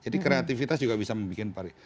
jadi kreatifitas juga bisa membuat pari